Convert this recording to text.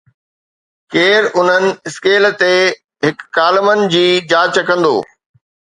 ڪير انهن اسڪيل تي هڪ ڪالمن جي جانچ ڪندو